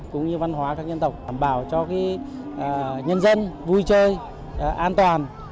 cũng như văn hóa các dân tộc đảm bảo cho nhân dân vui chơi an toàn